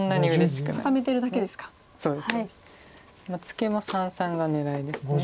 ツケは三々が狙いです。